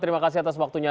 terima kasih atas waktunya